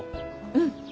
うん！